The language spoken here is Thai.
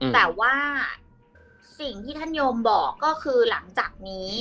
แต่ว่าสิ่งที่ท่านโยมบอกก็คือหลังจากนี้